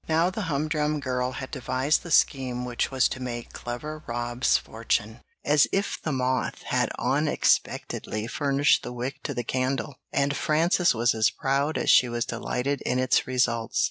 Now the humdrum girl had devised the scheme which was to make clever Rob's fortune, as if the moth had unexpectedly furnished the wick to the candle, and Frances was as proud as she was delighted in its results.